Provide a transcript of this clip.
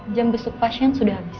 jam besuk pasien sudah habis